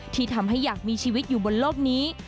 ที่ทำให้อยากมีชีวิตอยู่บนโลกนี้